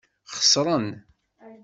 Xeṣṛen.